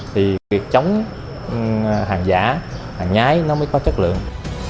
cái chống hàng giả hàng nhái nó mới có chất lượng